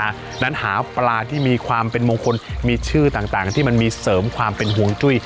ดังนั้นหาปลาที่มีความเป็นมงคลมีชื่อต่างที่มันมีเสริมความเป็นห่วงจุ้ย